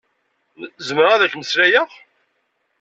Zemreɣ ad ak-mmeslayeɣ?